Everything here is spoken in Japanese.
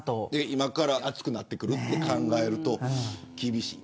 今から暑くなってくると考えると厳しい。